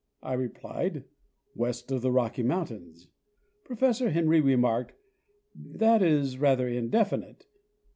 I replied, " West of the Rocky mountains." Professor Henry remarked, "That is rather indefinite."